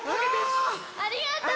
ありがとう！